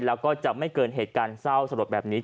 แล้วก็จะไม่เกินเหตุการณ์เศร้าสลดแบบนี้